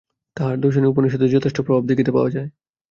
তাঁহার দর্শনে উপনিষদের যথেষ্ট প্রভাব দেখিতে পাওয়া যায়।